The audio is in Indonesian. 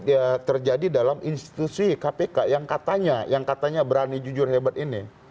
ya terjadi dalam institusi kpk yang katanya yang katanya berani jujur hebat ini